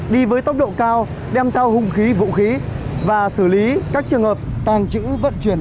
đi với tốc độ cao đem theo hung khí vũ khí và xử lý các trường hợp tàng trữ vận chuyển